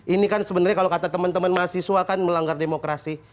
ini kan sebenarnya kalau kata teman teman mahasiswa kan melanggar demokrasi